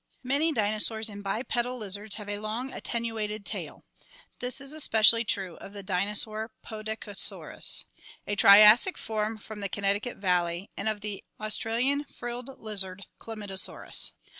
Many dinosaurs and bipedal lizards have a long, at tenuated tail; this is especially true of the dinosaur Podokesaurtis (Fig. 152), a Triassic form from the Connecticut valley, and of the Australian frilled lizard Chlamydosaurus.